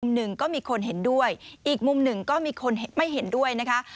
หนึ่งก็มีคนเห็นด้วยอีกมุมหนึ่งก็มีคนไม่เห็นด้วยนะคะ